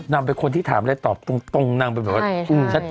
น้ำเป็คนที่ถามอะไรตอบตรงนั่งไปแบบว่า